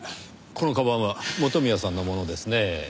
この鞄は元宮さんのものですねぇ。